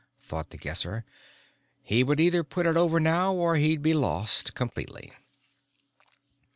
_ thought The Guesser. He would either put it over now or he'd be lost completely.